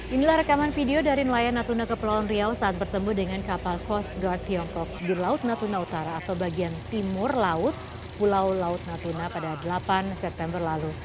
inilah rekaman video dari nelayan natuna kepulauan riau saat bertemu dengan kapal coast guard tiongkok di laut natuna utara atau bagian timur laut pulau laut natuna pada delapan september lalu